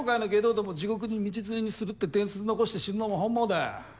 どもを地獄に道連れにするって伝説残して死ぬのも本望だ。